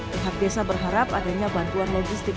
pihak desa berharap adanya bantuan logistik